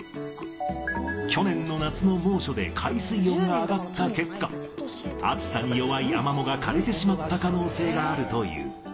去年の夏の猛暑で海水温が上がった結果暑さに弱いアマモが枯れてしまった可能性があるという。